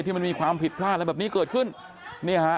มันมีความผิดพลาดอะไรแบบนี้เกิดขึ้นเนี่ยฮะ